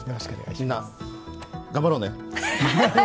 みんな、頑張ろうね。